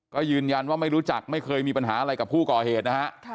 ก็ยืนยันว่าไม่รู้จักไม่เคยมีปัญหาอะไรกับผู้ก่อเหตุนะฮะ